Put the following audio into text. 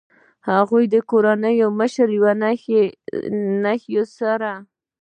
د هغوی د کورنۍ مشر یو نشه يي سړی و.